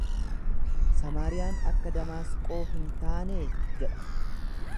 Samaariyaan akka Damaasqoo hin taanee? jedha.